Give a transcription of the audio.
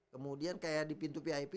kemudian kayak di pintu vip